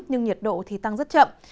nhưng nhiệt độ thì tăng rất chậm